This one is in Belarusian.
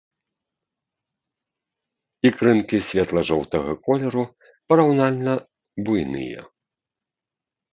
Ікрынкі светла-жоўтага колеру, параўнальна буйныя.